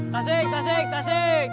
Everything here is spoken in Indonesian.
tasik tasik tasik